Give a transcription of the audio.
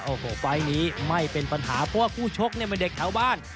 โอ้โหไฟล์นี้ไม่เป็นปัญหาเพราะว่าคู่ชกเนี่ยเป็นเด็กแถวบ้าน